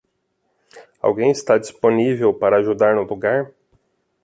Alguém está disponível para ajudar no lugar?